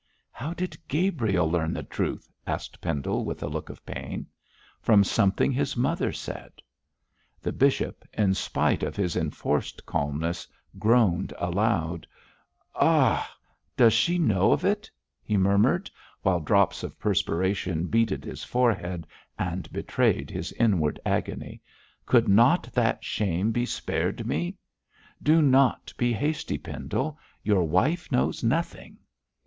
'How did Gabriel learn the truth?' asked Pendle, with a look of pain. 'From something his mother said.' The bishop, in spite of his enforced calmness, groaned aloud. 'Does she know of it?' he murmured, while drops of perspiration beaded his forehead and betrayed his inward agony. 'Could not that shame be spared me?' 'Do not be hasty, Pendle, your wife knows nothing.'